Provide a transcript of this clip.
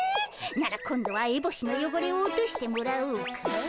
なら今度はエボシのよごれを落としてもらおうか。